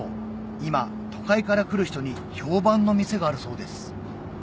今都会から来る人に評判の店があるそうです